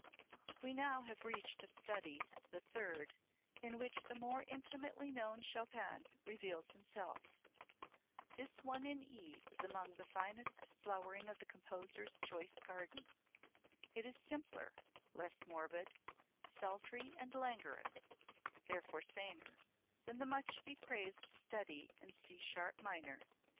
We now have reached a study, the third, in which the more intimately known Chopin reveals himself. This one in E is among the finest flowering of the composer's choice garden. It is simpler, less morbid, sultry and languorous, therefore saner, than the much bepraised study in C sharp minor, No.